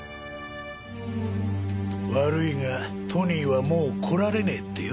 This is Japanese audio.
悪いがトニーはもう来られねぇってよ。